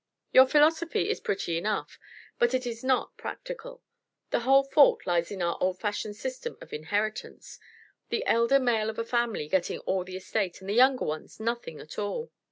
Your philosophy is pretty enough, but it is not practical. The whole fault lies in our old fashioned system of inheritance, the elder male of a family getting all the estate and the younger ones nothing at all.